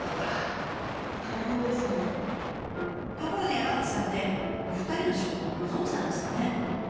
ところで山口さんってお二人の仕事はご存じなんですかね？